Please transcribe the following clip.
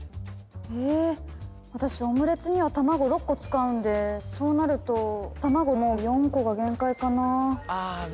えぇ私オムレツには卵６個使うんでそうなると卵もう４個が限界かな？